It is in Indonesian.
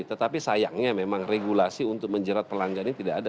tetapi sayangnya memang regulasi untuk menjerat pelanggan ini tidak ada